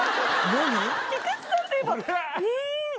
何？